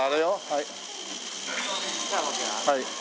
はい。